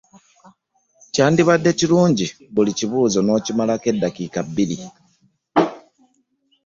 Kyandibadde kirungi buli kibuuzo n'okimalako edakiika abiri.